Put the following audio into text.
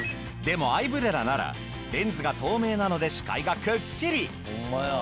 でもアイブレラならレンズが透明なので視界がくっきり！